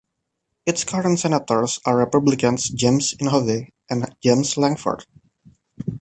Its current senators are Republicans James Inhofe and James Lankford.